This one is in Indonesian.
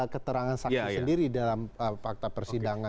keterangan saksi sendiri dalam fakta persidangan